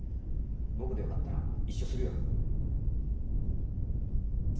僕でよかったら一緒するよ。